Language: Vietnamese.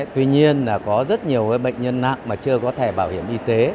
tuy nhiên là có rất nhiều bệnh nhân nặng mà chưa có thể bảo hiểm y tế